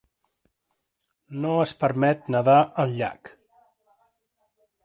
No es permet nedar al llac.